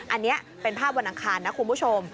อันนี้เป็นภาพวันอังคารนะคุณผู้ชม